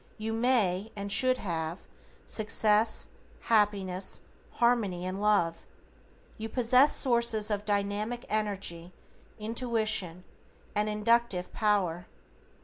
You may, and should have, success, happiness, harmony and love. You possess sources of dynamic energy, intuition, initiative and inductive power.